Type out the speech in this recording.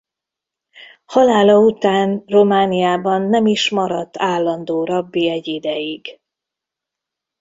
Halála után Romániában nem is maradt állandó rabbi egy ideig.